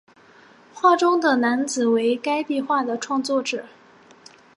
画中的男子为该壁画的创作者。